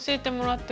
って。